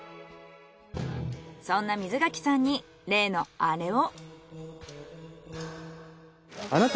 そんな水柿さんに例のアレを。